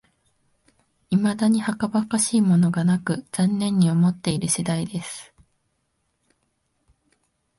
いまだにはかばかしいものがなく、残念に思っている次第です